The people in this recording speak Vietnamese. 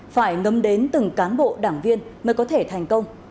phải ngâm đến từng cán bộ đảng viên mới có thể thành công